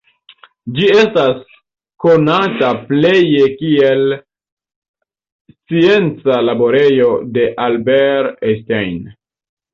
Ĝi estas konata pleje kiel scienca laborejo de Albert Einstein.